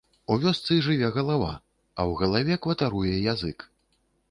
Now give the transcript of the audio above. У вёсцы жыве галава, а ў галаве кватаруе язык.